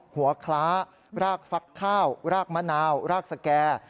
คล้ารากฟักข้าวรากมะนาวรากสแก่